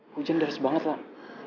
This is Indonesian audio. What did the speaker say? hujan deras banget lah